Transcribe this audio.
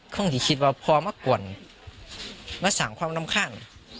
คงคิดว่าพ่อมาก่วนมาสั่งความนำคาญ